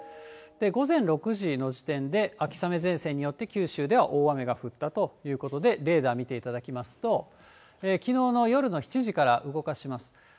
午前６時の時点で、秋雨前線によって九州では大雨が降ったということで、レーダー見ていただきますと、きのうの夜の７時から動かします。